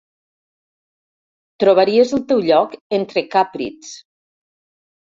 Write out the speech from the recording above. Trobaries el teu lloc entre càprids.